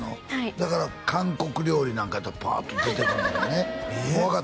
だから韓国料理なんかパーッと出てくんのよねえっ！？